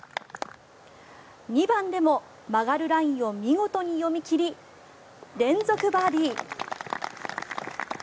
２番でも曲がるラインを見事に読み切り連続バーディー。